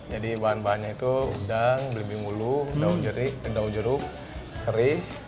jadi bahan bahannya itu udang belimbing ulu daun jeruk seri